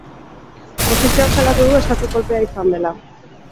Oposizioak salatu du estatu kolpea izan dela.